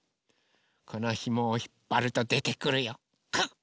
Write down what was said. このひもをひっぱるとでてくるよ。